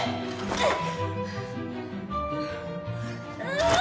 うっ！